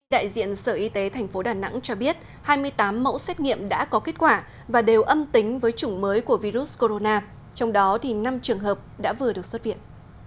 đại diện sở y tế tp đà nẵng cho biết hai mươi tám mẫu xét nghiệm đã có kết quả và đều âm tính với chủng mới của virus corona trong đó năm trường hợp đã vừa được xuất viện